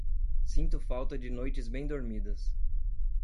Sinto falta de noites bem-dormidas.